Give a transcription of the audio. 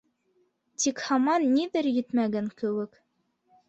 Тик һаман ниҙер етмәгән кеүек.